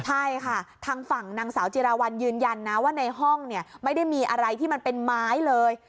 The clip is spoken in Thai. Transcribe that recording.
ใช่ค่ะทางฝั่งนางสาวจิราวัลยืนยันนะว่าในห้องเนี่ยไม่ได้มีอะไรที่มันเป็นไม้เลย